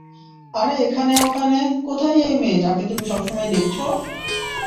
আরে এখানে ওখানে, কোথায় এই মেয়ে যাকে তুমি সবসময় দেখছো?